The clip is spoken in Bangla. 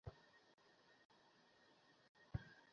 আমি খুশি কারণ আমার পাথরটা কাজের বেরিয়েছে।